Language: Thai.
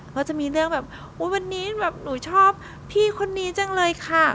ก็จะมีเรื่องแบบอุ๊ยวันนี้แบบหนูชอบพี่คนนี้จังเลยค่ะ